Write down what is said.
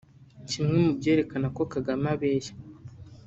Kimwe mu byerekana ko Kagame abeshya